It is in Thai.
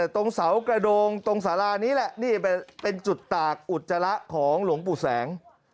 ตรงเสากระโดงตรงสารานี้แหละนี่เป็นจุดตากอุจจาระของหลวงปู่แสง